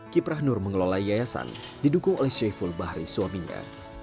kiprah nur mengelola yayasan didukung oleh sheyful bahri suaminya